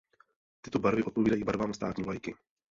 Tyto barvy odpovídají barvám státní vlajky.